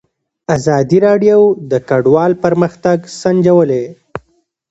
ازادي راډیو د کډوال پرمختګ سنجولی.